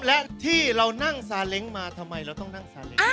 และที่เรานั่งซาเล้งมาทำไมเราต้องนั่งซาเล้ง